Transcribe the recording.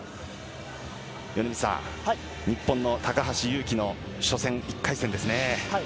米満さん、日本の高橋侑希の初戦、１回戦ですね。